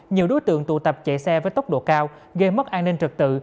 nhiều đối tượng tụ tập chạy xe với tốc độ cao gây mất an ninh trật tự